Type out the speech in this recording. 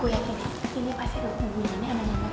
yaudah gue kesana ya